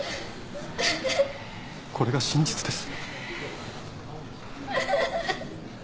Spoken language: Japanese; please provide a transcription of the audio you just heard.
これが真実です。